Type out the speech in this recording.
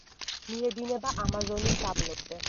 მიედინება ამაზონის დაბლობზე.